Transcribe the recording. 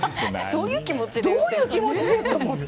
どういう気持ちで？と思って。